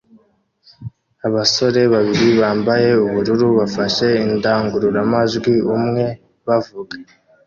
Abasore babiri bambaye ubururu bafashe indangururamajwi umwe bavuga